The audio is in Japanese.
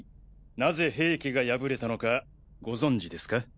何故平家が敗れたのかご存じですか？